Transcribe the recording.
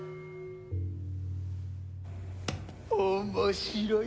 面白い！